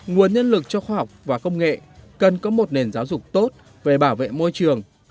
nguồn nhân lực cho khoa học và công nghệ cần có một nền giáo dục tốt về bảo vệ môi trường